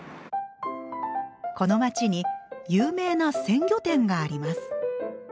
この町に有名な鮮魚店があります。